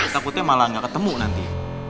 takutnya malah gak ketemu nanti